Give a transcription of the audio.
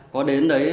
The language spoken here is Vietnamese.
có đến đấy